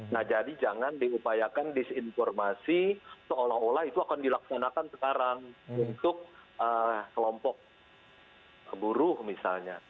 nah jadi jangan diupayakan disinformasi seolah olah itu akan dilaksanakan sekarang untuk kelompok buruh misalnya